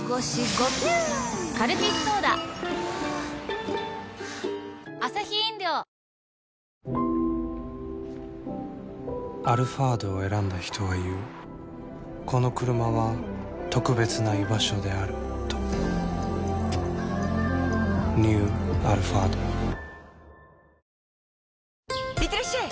カルピスソーダ！「アルファード」を選んだ人は言うこのクルマは特別な居場所であるとニュー「アルファード」いってらっしゃい！